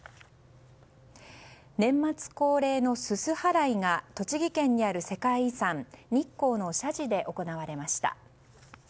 年末恒例の、すす払いが栃木県にある世界遺産日光の社寺で行われました。